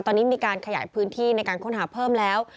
ตอนนี้มีการขยายพื้นที่ในการค้นหาเพิ่มแล้ว